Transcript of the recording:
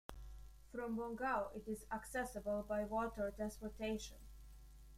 From Bongao it is accessible by water transportation.